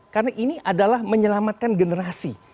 karena ini adalah menyelamatkan generasi